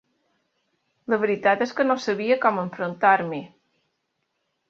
La veritat és que no sabia com enfrontar-m'hi.